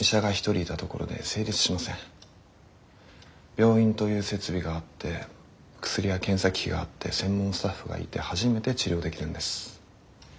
病院という設備があって薬や検査機器があって専門スタッフがいて初めて治療できるんです。